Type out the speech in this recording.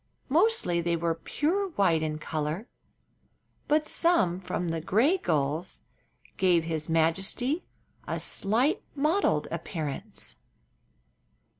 Mostly they were pure white in color, but some from the gray gulls gave his majesty a slight mottled appearance.